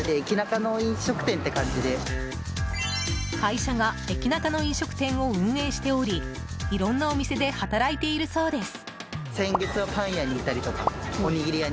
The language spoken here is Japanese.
会社が駅ナカの飲食店を運営しておりいろんなお店で働いているそうです。